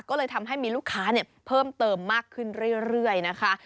ก็เลยทำให้มีลูกค้าเพิ่มเติมมากขึ้นเรื่อยนะคะ